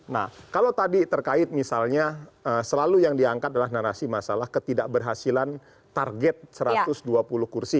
nah kalau tadi terkait misalnya selalu yang diangkat adalah narasi masalah ketidakberhasilan target satu ratus dua puluh kursi